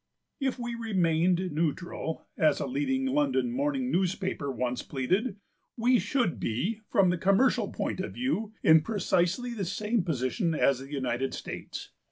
'If we remained neutral,' as a leading London morning paper once pleaded, 'we should be, from the commercial point of view, in precisely the same position as the United States.